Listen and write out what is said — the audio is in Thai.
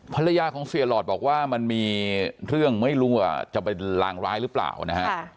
ภรรยาของเสียหลอดบอกว่ามันมีเรื่องไม่รู้ว่าจะเป็นลางร้ายหรือเปล่านะฮะ